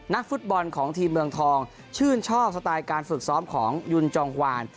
นักฟุตบอลของทีมเมืองทองชื่นชอบสไตล์การฝึกซ้อมของยุนจองควาน